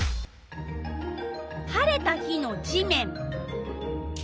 晴れた日の地面。